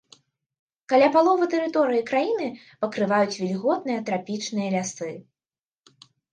Каля паловы тэрыторыі краіны пакрываюць вільготныя трапічныя лясы.